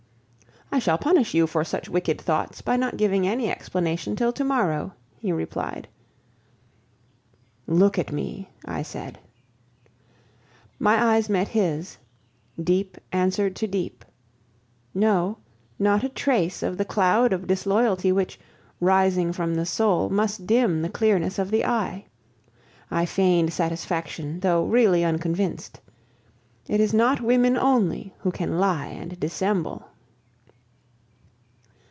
"I shall punish you for such wicked thoughts by not giving any explanation till to morrow," he replied. "Look at me," I said. My eyes met his; deep answered to deep. No, not a trace of the cloud of disloyalty which, rising from the soul, must dim the clearness of the eye. I feigned satisfaction, though really unconvinced. It is not women only who can lie and dissemble!